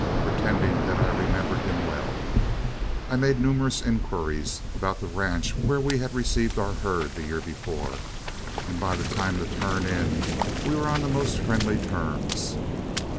Pretending that I remembered him well, I made numerous inquiries about the ranch where we received our herd the year before, and by the time to turn in, we were on the most friendly terms.